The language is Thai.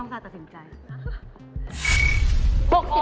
ให้น้องซาติสินใจ